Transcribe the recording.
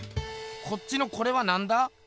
こっちのこれはなんだ？